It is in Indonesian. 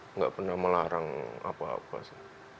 tidak pernah melarang apa apa sih